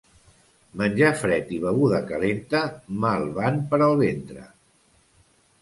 Menjar fred i beguda calenta mal van per al ventre.